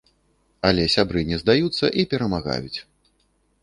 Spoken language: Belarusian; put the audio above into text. Але сябры не здаюцца і перамагаюць.